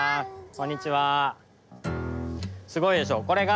こんにちは。